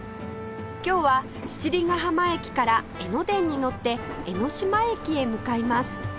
今日は七里ヶ浜駅から江ノ電に乗って江ノ島駅へ向かいます